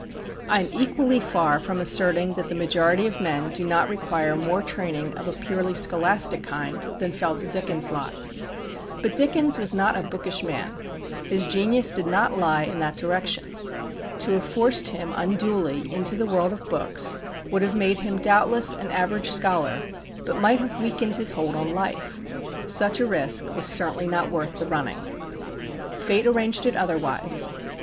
I am equally far from asserting that the majority of men do not require more training of a purely scholastic kind than fell to Dickens' lot. But Dickens was not a bookish man. His genius did not lie in that direction. To have forced him unduly into the world of books would have made him, doubtless, an average scholar, but might have weakened his hold on life. Such a risk was certainly not worth the running. Fate arranged it otherwise.